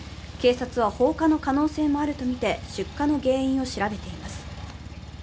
警察は、放火の可能性もあるとみて出火の原因を調べています。